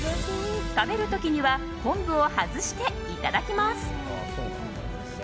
食べる時には昆布を外して、いただきます。